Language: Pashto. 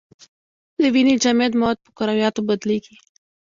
د وینې جامد مواد په کرویاتو یادیږي.